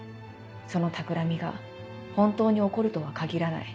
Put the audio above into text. そのたくらみが本当に起こるとは限らない」